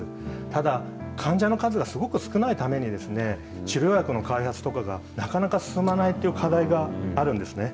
ただ、患者の数がすごく少ないために、治療薬の開発とかがなかなか進まないという課題があるんですね。